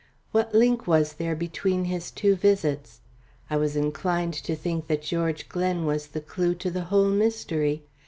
What link was there between his two visits? I was inclined to think that George Glen was the clue to the whole mystery.